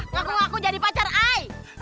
ngaku ngaku jadi pacar i